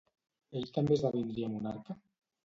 Ell també esdevindria monarca?